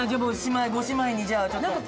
ご姉妹にじゃあちょっと。